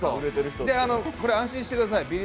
安心してください